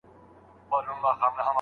دوی په ګډه ساینسي څېړنه ترسره نه کړه.